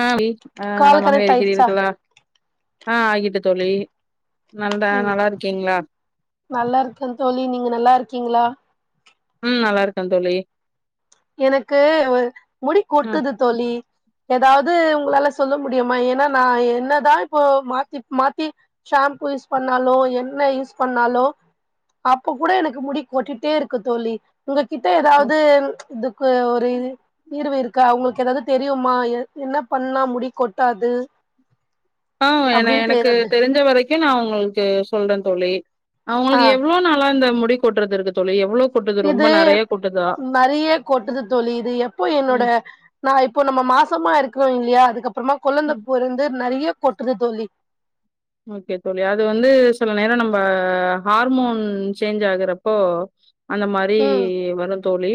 ஆ வி ஆ கால் நலமாக கனெக்ட் ஆயிடுச்சா இருக்கிறீர்களா ஆ ஆகிட்டு தோழி நல்லா ம் நல்லா இருக்கீங்களா நல்லாருக்கே தோழி நீங்க நல்லாருக்கீங்ளா ம் நல்லாருக்கே தோழி எனக்கு வ முடி ம் கொட்டுது தோழி எதாது உங்களால சொல்ல முடியுமா ஏனா நா என்னதா இப்போ மாத்தி மாத்தி ஷாம்பூ யூஸ் பண்ணாலோ எண்ண யூஸ் பண்ணாலோ அப்ப கூட எனக்கு முடி கொட்டிட்டே இருக்கு தோழி உங்ககிட்ட ம் எதாது இதுக்கு ஒரு தீர்வு இருக்கா உங்குளுக்கு எதாது தெரியுமா ஏ என்ன பண்ணா முடி கொட்டாது ஆ என அப்டின்னு எனக்கு தெரிது தெரிஞ்ச வரைக்கு நா உங்ளுக்கு சொல்றே தோழி ஆ உங்குளுக்கு எவ்ளோ நாளா இந்த முடி கொட்றது இருக்கு தோழி எவ்ளோ கொட்டுது ரொம்ப இது நெறைய கொட்டுதா நெறையா கொட்டுது தோழி இது எப்போ என்னோட ம் நா இப்போ நம்ம மாசமா இருக்குறோ இல்லையா அதுக்கப்றமா குழந்த ம் பொறந்து நறைய கொட்டுது தோழி ஓகே தோழி அது வந்து சில நேரோ நம்ப ஹார்மோன் சேஞ்ச் ஆகுறப்போ அந்த மாரி ம் வருந்தோழி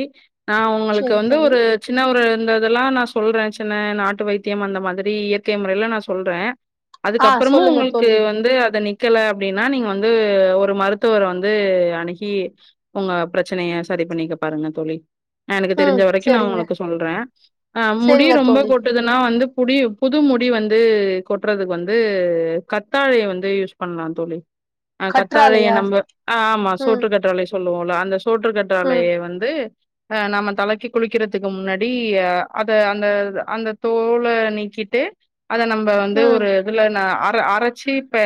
நா உங்குளுக்கு சேரி வந்து தோழி ஒரு சின்ன ஒரு அந்த இதெல்லா நா சொல்றே சின்ன நாட்டு வைத்தியம் அந்த மாதிரி இயற்கை முறைல நா சொல்றே ஆ அதுக்கப்றமு சொல்லுங்க உங்களுக் தோழி வந்து அது நிக்கல அப்டினா நீங்க வந்து ஒரு மருத்துவர வந்து அணுகி உங்க பிரச்சனைய சரி பண்ணிக்க பாருங்க தோழி எனக்கு ம் தெரிஞ்ச வரைக்கு நா சேரிங்க உங்குளுக்கு சொல்றே ஆ முடி சேரிங்க ரொம்ப தோழி கொட் ட்டுதுன்னா வந்து புடி புது முடி வந்து கொட்றதுக்கு வந்து கத்தாழைய வந்து யூஸ் பண்லா தோழி அ கத்தாழைய கற்றாழையா நம்ப அ ஆமா ம் சோற்று கற்றாழை சொல்லுவோல அந்த சோற்று ம் கற்றாழைய வந்து அ நம்ம தலைக்கி குளிக்கிறதுக்கு முன்னாடி அத அந்த அந்த தோல நீக்கிட்டு அத நம்ப வந்து ம் ஒரு இதுல நா இப்ப அரைச்சி இப்ப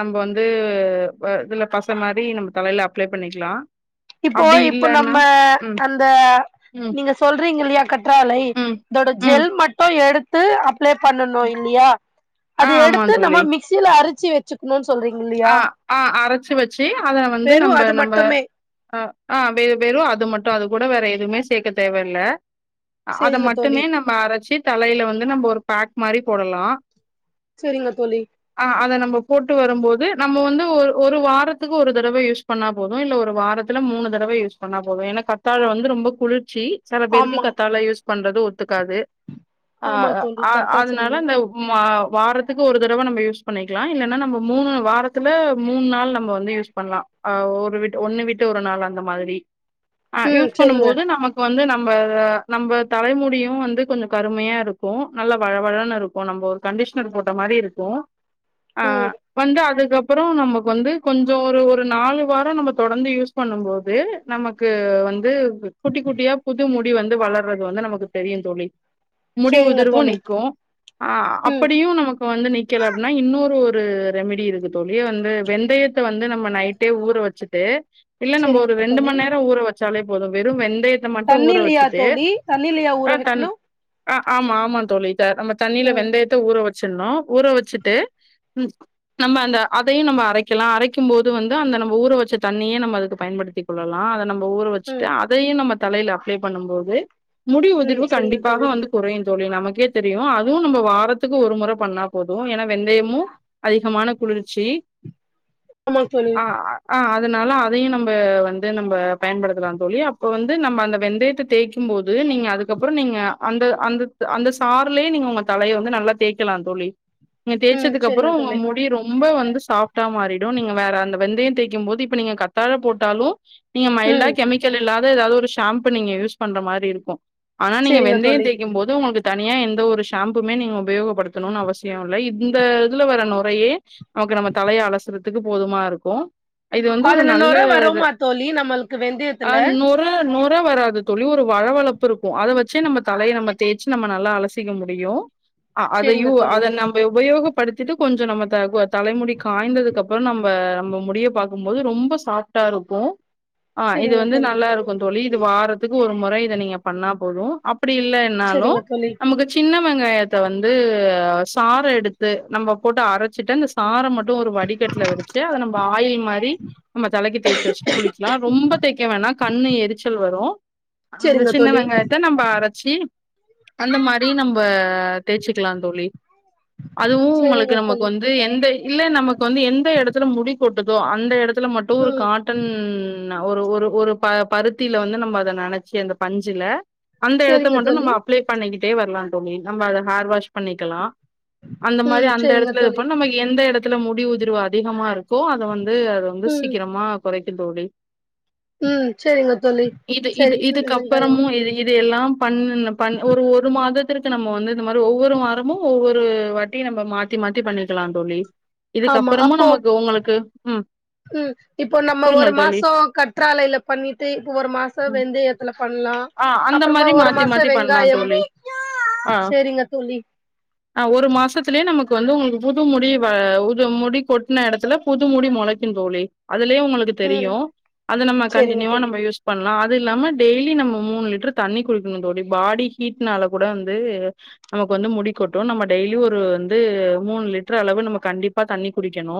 நம்ப வந்து அ இதுல பசை மாறி நம்ம தலையில அப்ளை பண்ணிக்கலா இப்போ அப்டி இப்போ இல்லன்னா நம்ம ம் அந்த ம் நீங்க சொல்றீங்க இல்லயா கற்றாலை ம் இதோட ம் ஜெல் மட்டு எடுத் து அப்ளை பண்ணணு இல்லியா ஆ அது ஆமா எடுத்து நம்ம தோழி மிக்சியில அரைச்சு வச் சுக்கணு சொல்றீங் இல்லிங் ஆ ஆ அரைச்சி வச்சு அதல வந்து வெறு நம்ப அது நம்ப மட்டுமே அ அ வெ வெறு அது மட்டு அது கூட வேற எதுமே சேக்க தேவையில்ல அத சேரிங்க தோழி மட்டுமே நம்ம அரைச்சி தலையில வந்து நம்ம ஒரு பேக் மாறி போட்லா சேரிங்க தோழி அ அத நம்ம போட்டு வரும்போது நம்ம வந்து ஒரு ஒரு வாரத்துக்கு ஒரு தடவை யூஸ் பண்ணா போதும் இல்ல ஒரு வாரத்துல மூணு தடவை யூஸ் பண்ணா போதும் ஏன்னா கத் தாழ வந்து ரொம்ப குளிர்ச்சி சில பேருக்கு ஆமா கத்தாழை யூஸ் பண்றது ஒத்துக்காது அ ஆமா தோழி அ கரெக்டா அதுனால சொன்னீங்க அந்த ம்மா வாரத்துக்கு ஒரு தடவை நம்ம யூஸ் பண்ணிக்கலா இல்லன்னா நம்ம மூணு வாரத் துல மூன் நாள் நம்ம வந்து யூஸ் பண்லா அ ஒரு விட்டு ஒண்ணு விட்டு ஒரு நாள் அந்த மாதிரி அ ம் யூஸ் பண்ணும் செரிங்க போது நமக் கு வந்து நம்ம நம்ம தலைமுடியு வந்து கொஞ்சோ கருமையா இருக்கும் நல்ல வழவழன்னு இருக்கும் நம்ப கண்டிஷனர் போட்ட மாறி இருக்கும் ஆ ம் வந்து அதுக்கு அப் புறோ நமக்கு வந்து கொஞ்சோ ஒரு ஒரு நாலு வார நம்ம தொடர்ந்து யூஸ் பண்ணும் போது நமக்கு வந்து குட்டி குட்டியா புது முடி வந்து வளர்றது வந்து நமக்கு தெரியு தோழி முடி செரிங்க உதிர்வும் தோழி நிக்கும் அ ம் அப்புடியு நமக் கு வந்து நிக்கல அப்புடின்னா இன்னொரு ஒரு ரெமிடி இருக்கு தோழி வந்து வெந்தய த்த வந்து நம்ம நைட்டே ஊற வச்சுட்டு இல்ல நம்ப ஒரு செரிங்க ரெண்டு தோழி மண் நேரோ ஊற வச்சாலே போதும் வெறு வெந்தயத்த மட்டும் ஊற வச்சுட்டு தண்ணிலையா ஊற வெக்கணு அ ஆமா ஆமா தோழி நம்ம தண்ணியில ம் வெந்த யத்த ஊற வச்சிரனு ஊற வச்சுட்டு நம்ம அந்த அதையு நம்ம அரைக்கலா அரைக்கும் போது வந்து அந்த நம்ம ஊற வச்ச தண்ணிய நம்ம அதுக்கு பயன்படுத்திக் கொள்ளலா அத நம்ம ஊற வச்சுட்டு ம் அதையு நம்ம தலையில அப்ளை பண்ணும்போது முடி ம் உதிர்வு செரிங்க கண்டிப்பாக தோழி வந்து குறையு தோழி நமக்கே தெரியு அதுவு நம்ம வாரத்துக்கு ஒரு முறை பண்ணா போதும் ஏன்னா வெந்தயமு அதிகமான குளிர்ச்சி ஆமா தோழி ஆ அ அதுனால அதையு நம்ப வந்து நம்ப பயன்படுத்தலா தோழி அப்ப வந்து நம்ம அந்த வெந்தயத்துக் தேய்கும் போது நீங்க அதுக்கப்பறோ நீங்க அந்த அந்த அந்த சாருலயே நீங்க உங்க தலைய வந்து நல்லா தேய்க் கலா தோழி நீங்க ம் தேய்சதுக்கு அப்பறோ செரிங்க உங்க தோழி முடி ரொம் ப வந்து சாப்டா மாறிடும் நீங்க வேற அந்த வெந்தய தேய்க்கும் போது இப்ப நீங்க கத்தாழ போட்டாலு நீங்க மைல்டா ம் கெமிக்கல் இல்லாத ஏதாது ஒரு ஷாம்பு நீங்க யூஸ் பண்ற மாறி இருக்கும் ஆனா நீங்க செரிங்க வெந்தயம் தோழி தேய்க்கு போது உங்களுக்கு தனியா எந்த ஒரு ஷாம்புமே நீங்க உபயோகப்படுத்தணுன்னு அவசிய இல்ல இந்த இதுல வர நுரையே ஒகே நம்ப தலைய அலசுறதுக்கு போதுமா இருக்கும் இது வந்து ஒரு அதுல நல்ல நொர இது வருமா தோழி நம்மளுக்கு அ வெந்தயத்துல நோ ரை நொரை வராது தோழி ஒரு வள வளப்பு இருக்கும் அத வச்சே நம்ம தலைய நம்ம தேச்சு நம்ம நல்லா அலசி க்க முடியு அ செரிங்க அதையு தோழி அத நம்ம உபயோகப்படுத்திட்டு கொஞ்சோ நமக் கு தலைமுடி காய்ந்ததுக்கு அப்றோ நம்ப நம்ப முடிய பாக்கும்போது ரொம்ப சாப்டா இருக்கும் அ இது செரிங்க வந்து தோழி நல்லா இருக்கும் தோழி இது வாரத்துக்கு ஒரு முறை இதை நீங்க பண்ணா போதும் அப்புடி இல்ல ன்னாலு செரிங்க தோழி நமக்குத் சின்ன வெங்காயத்த வந்துஆ சாறு எடுத்து நம்ப போட்டு அரத் ச்சிட்டு அந்த சாற மட்டு ஒரு வடிகட்ல வடிச்சு அத நம்ப ஆயில் மாரி நம்ம தலைக்கி தேச்சு வச்ட்டு குளிக்லா ரொம்ப தேக்க வேணா கண்ணு எரிச்சல் வரு நாலு செரிங்க சின்ன தோழி வெங்காயத்த நம்ப அரச்சி அந்த மாரி நம்ப தேச்சுக்குலா தோழி அதுவு உங்களுக்கு செரிங்க நம்மக் தோழி இது எந்த இல்ல நமக்கு வந்து எந்த எடத்துல முடி கொட்டுதோ அந்த எடத்துல மட்டு ஒரு ம் காட் ட்டன் னா ஒரு ஒரு ஒரு ப பருத்தில வந்து நம் அத நனச்சி அந்த பஞ்சில அந்த எடத்த செரிங்க மட்டுன் தோழி நம்ம அப்ளை பண்ணிக்கிட்டே வர்லா தோழி நம்ம அத ஹேர் வாஷ் பண்ணிக்கலா அந்த மாரி ம் அந்த செரிங்க எடத்துலத் தோழி ம்ம எந்த எடத்துல முடி உதிர்வு அதிகமா ருக்கோ அத வந்து அது வந்து ம் சீக்கிரமா குறைக்கின் தோழி ம் செரிங்க தோழி இது இது செரி இந்த வெங்காயோ இதுக்கப்பறமு இது இது எல்லாம் பண்ணுண பண் ஒரு ஒரு மாதத்திற்கு நம்ம வந்து இந்த மாரு ஒவ்வொரு வாரமு ஒவ்வொரு வாட்டி நம்ம மாத்தி மாத்தி பண்ணி க்கிலா தோழி ஆமா இதுக்கப்பறமு அப்போ நமக்கு உங்களுக்கு ம் ம் இப்போ நம்ம ஒரு கூறுங்கள் தோழி. மாசோ கற்றாலைல பண்ணிட்டு இப்ப ஒரு மாச ம் வெந்துயத்துல பண்லா ஆ அந்த அப்புறமா மாரி ஒரு மாத்தி மாசம் மாத்தி பண்ணலாம் வெங்காயம் தோழி. ஆ சரிங்க தோழி. ஆ ஒரு மாசத்துலே நமக்கு வந்து உங்குள்க்கு புது முடி வ உதும் முடி கொட் இந்ந எடத்துல புது முடி மொளைக்கின் தோழி அதுலே உங்களுக்கு ம் தெரியு அத நம்ம சேரிங்க கண்டின்யூவா தோழி நம்ப யூஸ் பண்லா அத் இல்லாம டெய்லி நம்மு மூணு லிட்டர் தண்ணி குய்க்கணு தோழி பாடி ஹீட்னால கூட வந்து நமக் வந்து முடிக்கொட்டு நம்ம டெய்லி ஒரு வந்து யோவ் மூணு லிட்ரு அளவு நம்ம கண்டிப்பா தண்ணி குடிக்கணு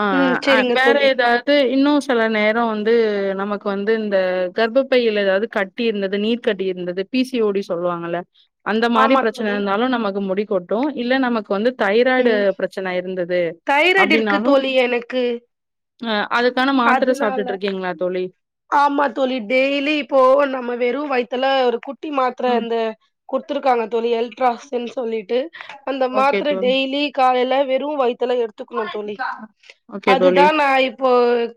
அ ம் அ ஆ சேரிங்க வேற தோழி எதாவ் து இன்னு சில நேரோ வந்து நமக்கு வந்து இந்த கர்ப்ப பைய்யில எதாவ்து கட் ட்டி இருந்தது நீர் கட்டி இருந்தது பி சி ஓ டி சொல்வாங்கள்ல அந்த மாரி ஆமா ப்ரச்சன தோழி இருந்தாலு நமக்கு முடிக்கொட்டு இல்ல நமக் வந்துட் தைராய்டு ம் ப்ரச்சன இருந்தது தைராய்டு இருக்கு அப்டின்னாலு தோழி எனக்கு அ அதுக்கான மாத்ர அதனால சாப்ட்டுட்ருக்கீங்ளா தோழி ஆமா தோழி டெய்லி இப்போவு நம்ம வெறு வய்த்துல ஒரு குட்டி மாத்ர ம். இந்த குர்த்துருக்காங்க தோழி எல்ட்ராசின் சொல்லிட்டு அந்த ஓகே மாத்ர தோழி. டெய்லி காலைல வெறு வயித்துல எடுத்துக்ணு தோழி ஓகே தோழி. அதுதா நா இப்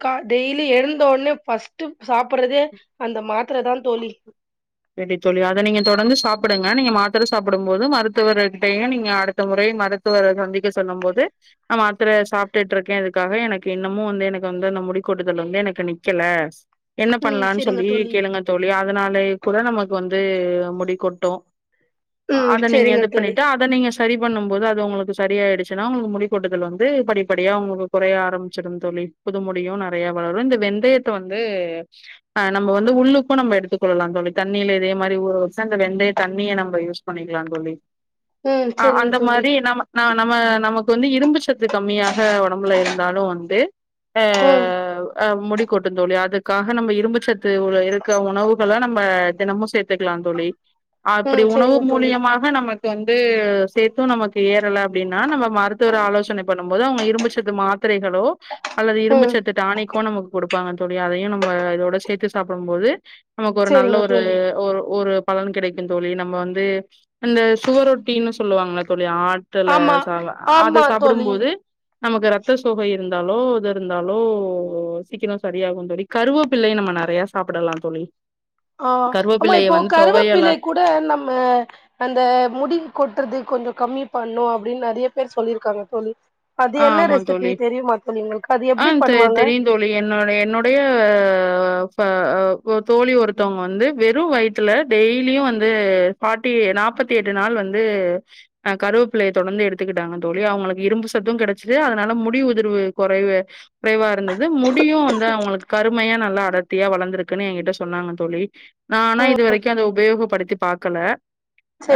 கா டெய்லி எழுந்த ஒட்னே பஸ்ட்டு சாப்படதே அந்த மாத்தர தா தோழி எடி தோழி அத நீங்க தொடந்து சாப்புடுங்க நீங்க மாத்தர சாப்புடும் போது மருத்துவர் அடிட்டையி நீங்க அடுத்த முறை மருத் துவர சந்திக்க சொல்லும் போது நா மாத்துரே சாப்ட்டுட்ருக்கே இதுக்காக எனக் இன்னமு வந்தே எனக் வந்து அந்த முடிக்கொட்டுதல் வந்து எனக்கு நிக்கல என்ன ம் பண்லான் சரிங்க சொல்லி தோழி கேளுங்க தோழி அதனாலய் கூட நமக் வந்து அ முடி கொட்டு ஆ ம் அத நீங்க சரிங்க இது தோழி பண்ணிட்டா ஆட் இத நீங்க சரி பண்ணும் போது அது உங்குளுக்கு சரியாய்டுச்சுன்னா உங்ளுக்கு முடி கொட்டுதல் வந்து படிப்படியா உங்ளுக்கு குறைய ஆரம்பிச்சிடும் தோழி புது முடியு நறையா வளரு இந்த வெந்தயத்த வந்து ஆ நம்ம வந்து உள்ளுக் க்கு நம்ம எடுத்துக்கொள்ளலா தோழி தண்ணிலே இதே மாரி ஊற வெப்சாந்து வெந்தைய தண்ணிய நம்ப யூஸ் பண்ணிக்கிலான் தோழி ம் ஆ சரிங்க அந்த தோழி மாரி நம்ம நா நம்ம நமக் வந்து இரும்பு ஷத்து கம்மியாஹ ஒடம்புல இருந்தாலு வந்து அ ம் அ முடிகொட்டுந்தோழி அதுக்காஹ நம்ப இரும்புச்சத்து உள்ள எல் க உணவுகள நம்ப தினமு சேத்துக்கலா தோழி ஆப்டி ம் உணவு சரிங்க தோழி மூலியமா ந நமக்கந்து சேத்தூ நமக் ஏறல அப்டின்னா நம்ம மருத்துவர் ஆலோசனை பண்ணும் போது அவ்ங்க இரும்புச்சத்து மாத் திரைகளோ அல்லது ம் இரும்புச்சத்து டானிக்கோ நமக்கு கொடு ப்பாங்க தோழி அதையு நம்ப இதோட சேத்து சாப்பிடும் போது. நமக்கு ஒரு நல்ல சரிங்க ஒரு தோழி ஒரு ஒரு பலன் கிடைக்கு தோழி நம்ம வந்து அந்த சுவரொட்டின்னு சொல்லுவாங்கள தோழி ஆட்டுல ஆமா ச அத ஆமா தோழி சாப்பிடும்போது நமக்கு ரத்த சோக இருந்தாலோ இது இருந்தாலோ சீக்கிரொ சரியாகு தோழி கருவேப்பில்லையு நம்ம நறைய சாப்பிடலா தோழி ஆ ஆமா கருவேப்பிள்ளைய இப்போ வந்து தொவையலா கருவேப்பிலை கூட நம்ம அந்த முடி கொட்றது கொஞ்சொ கம்மி பண்ணு அப்டின் நறைய பேர் சொல்லிருக்காங்க தோழி அது ஆ என்ன ஆமா தோழி ரெசிபி தெரியுமா தோழி உங்களுக்கு அது ஆ எப்டி தெ பண்ணுவாங்க தெரியும் தோழி என்னுடை என்னுடைய ஃப அ தோழி ஒருத்தவங்க வந்து வெறு வயித் துல டெய்லியு வந்து ஃபாட்டி நாப்பத்தி எட்டு நாள் வந்து அ கருவேப்பிலய தொடர்ந்து எடுத்துக்கிட்டாங்க தோழி அவங்களுக்கு இரும்பு ச த்தும் கெடச்சிது அதனால முடி உதிர்வு கொறைவு குறைவா இருந்தது முடியு வந்து அவங்களுக்கு கருமையா நல்லா அடர்த்தியா வளந்திருக்குனு ஏங்கிட்ட சொன்னாங்க தோழி நா ஆனா ம் இது வரைக்கு அத உபயோகப்படுத்தி பாக்கல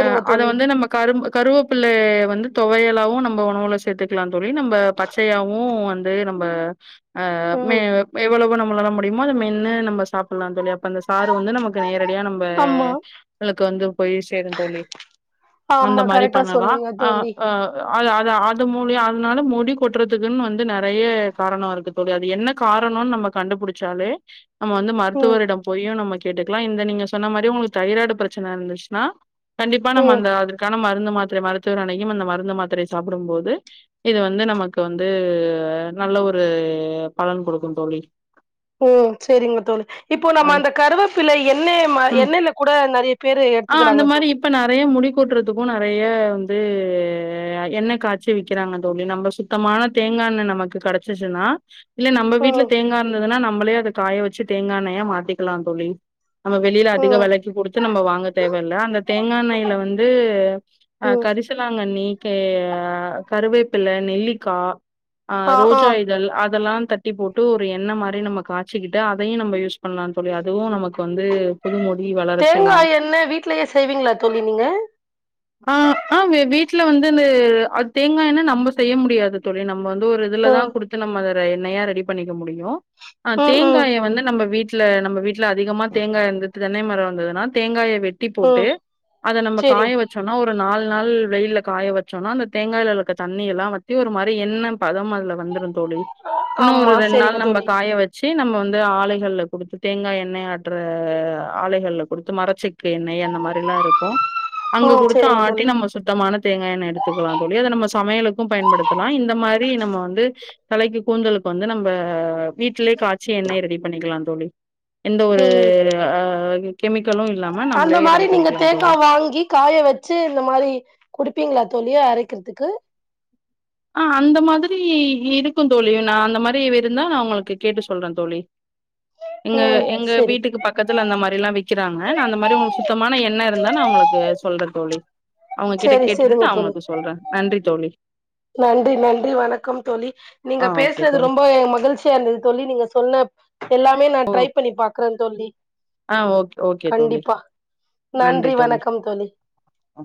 அ அத தோழி வந்து நமக் கரும் கருவேப்பிலைய வந்து தொவயலாவு நம்ப உணவுல சேத்து துக்கலா தோழி நம்ப பச்சயாவு வந்து நம்ப ஆ மே ம் எவ்வளவு நம்மளால முடியுமோ அத மென்னு நம்ம சாப்பிலா தோழி அப்ப அந்த சாறு வந்து நமக் கு நேரடியா நம்ப ஆமா ளுக்கு வந்து போய் சேரு தோழி அந்த ஆமா மாதிரியு கரெக்டா பண்ணலா சொன்னீங்க ஆ தோழி ஆ அது அதா அது முழி அதனால முடி கொட்றதுக்குனு வந்து நெறைய காரணொ இருக்கு தோழி அது என்ன காரணோன்னு நம்ம கண்டுபுடிச்சாலே நம்ம வந்து ம் மருத்துவரிடம் போயு நம்ம கேட்டுக்கலா இந்த நீங்க சொன்ன மாரி உங்களுக் தைராய்டு பிரச்சனே இருந்துச்சுனா கண்டிப்பா நம்ம ம் அந்த அது க்கான மருந்து மாத்திர மருத்துவர் அணுகியும் அந்த மருந்து மாத்திரை சாப்பிடும் போது இது வந்து நமக்கு வந்து நல்ல ஒரு பலன் குடுக்கு தோழி ம் செரிங்க தோழி இப்போ அ நம்ம அந்த கருவேப்பிலை எண்ணெ ம எண்ணெல கூட நெறைய பேர் எடுத்துக்குறாங் இந்த மாரி இப்ப நறைய முடி கொட்றதுக்கு நறைய வந்து எண்ணெ காச் சி விக்கிறாங்க தோழி நம்ப சுத்தமான தேங்கா எண்ணெ நமக்கு கெடைச்சிச்சுனா இல்ல நம்ப வீட்ல ம் தேங்கா இருந்ததுனா நம்பளே அத காய வச்சு தேங்கா எண்ணெயா மாத்திக்கலா தோழி நம்ப வெளியில அதிக ம் வெலைக்கு குடுத்து நம்ப வாங்க தேவையில்ல அந்த தேங்கா எண்ணெயில வந்து அ ம் கரிசலாங்கண்ணி கே கருவேப்பில நெல்லிக்கா ஆ ரோஜா இதழ் அதெல்லா தட்டி போட்டு ஒரு எண்ணெ மாரி நம்ம காச்சிகிட்டு அதயு நம்ப யூஸ் பண்லா தோழி அதுவு நமக்கு வந்து புது முடி வளரச் தேங்கா செய்யு எண்ணெ வீட்லயே செய்வீங்களா தோழி நீங்க ஆ ஆ வெ வீட்ல வந்து இந் அத் தேங்கா எண்ண நம்ப செய்ய முடியாது தோழி நம்ப வந்து ஒரு இதுலதா ம் குடுத் து நம்ப அத எண்ணையா ரெடி பண்ணிக்க முடியு அ ம் ம் தேங்காய வந்து நம்ப வீட் ட்ல நம்ப வீட்ல அதிகமா தேங்காய் இருந்தது தென்னை மரம் இருந்ததுனா தேங்காய வெட் ட்டி போட்டு ம் அத நம்ப காய சரிங் வச்சோனா ஒரு நாலு நாள் வெயில்ல காய வச்சோனா அந்த தேங்காய்ல இருக்க தண்ணிலா வத்தி ஒரு மாரி எண்ணெ பதம் அதுல வந்துரும் தோழி இன்னு ஒரு ஆமா ரெண் சரிங்க நாள் நம்ப தோழி காய வெச் ச்சு நம்ப வந்து ஆலைகள்ல குடுத்து தேங்கா எண்ணெய் ஆட்டுற ஆலைகள்ல குடுத்து மரச்செ க்கு எண்ணெய் அந்த மாரிலா இருக்கு அங்க ம் குடுத்து சரிங்க ஆட்டி தோழி நம்ப சுத்தமான தேங்கா எண்ணை எடுத்துக்கலா தோழி அத நம்ம சமையலுக்கு பயன்படுத்தலா இந்த மாதிரி நம்ம வந்து தலைக்கு கூந்தலுக் வந்து நம்ப வீட்லயே காச்சி எண்ணெய ரெடி பண்ணிக்கலா தோழி எந்த ஒரு ம் அ கெமிக்கலு இல்லாம அந்த நம்பளே மாரி ரெடி நீங்க பண்ணிக்கலா தேங்கா தோழி வாங்கி காய வச்சு இந்த மாரி குடுப்பீங்களா தோழி அரைக்கிறதுக்கு ஆ அந்த மாதிரி இருக்குந் தோழி நா அந்த மாரி இருந்தா நா உங்களுக்கு கேட்டு சொல்ற தோழி எங்கள ம் எங்க சரி வீட்டுக்கு பக்கத்துல அந்த மாரில்லா வி க்கிறாங்க நா அந்த மாரி உங்களுக்கு சுத்தமான எண்ண இருந்தா நா உங்களுக்கு சொல்ற தோழி அவுங்ககிட்ட சேரி கேட்டுட்டு சேரிங்க நா தோழி உங்களுக்கு சொல்ற நன்றி தோழி நன்றி நன்றி வணக்கம் தோழி நீங்க ஆ ஓகே பேசுனது தோழி ரொம்ப மகிழ்ச் சியா இருந்தது தோழி நீங்க சொன்ன எல்லாமே நா ட்ரை பண்ணி பாக்குற தோழி ஆ ஓகே ஓகே தோழி கண்டிப்பா நன்றி வணக்கம் தோழி அ